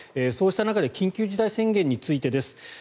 そうした中で緊急事態宣言についてです。